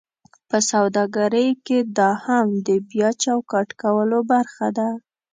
په سوداګرۍ کې دا هم د بیا چوکاټ کولو برخه ده: